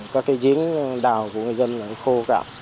các cái giếng đào của người dân khô cả